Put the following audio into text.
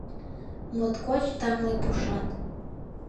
Моткоч тамле пушан.